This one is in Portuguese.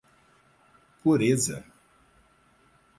Pureza